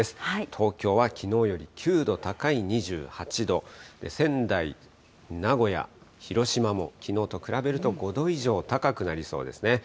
東京はきのうより９度高い２８度、仙台、名古屋、広島も、きのうと比べると、５度以上高くなりそうですね。